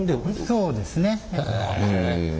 そうですね。